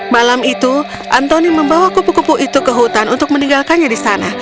malam itu antoni membawa kupu kupu itu ke hutan untuk meninggalkannya di sana